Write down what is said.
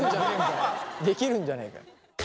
できるんじゃねえかよ。